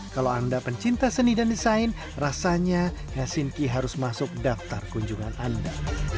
kalau anda pencinta seni dan desain rasanya helsinki harus masuk daftar kunjungan anda